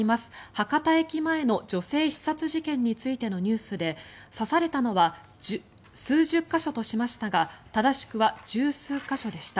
博多駅前の女性刺殺事件についてのニュースで刺されたのは数十か所としましたが正しくは１０数か所でした。